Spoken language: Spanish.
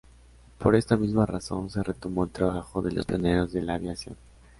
Por esta misma razón se retomó el trabajo de los pioneros de la aviación.